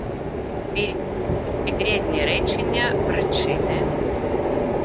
Підрядні речення причини